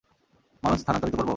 মানুষ স্থানান্তরিত করব?